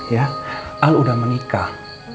ya al udah menikah